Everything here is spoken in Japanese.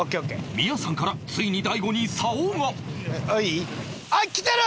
宮さんからついに大悟に竿があっきてる！